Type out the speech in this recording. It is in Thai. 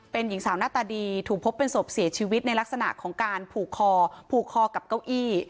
เป็นหญิงสาวหน้าตาดีถูกพบเป็นศพเสียชีวิตในลักษณะของการผูกคอผูกคอกับเก้าอี้